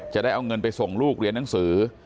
จะได้เอาเงินไปส่งลูกเรียนหนังสือ